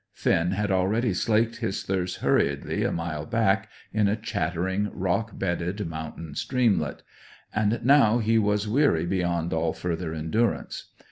Finn had already slaked his thirst hurriedly a mile back, in a chattering, rock bedded mountain streamlet. And now he was weary beyond all further endurance.